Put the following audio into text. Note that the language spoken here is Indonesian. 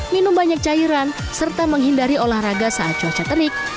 minum banyak cairan serta menghindari olahraga saat cuaca terik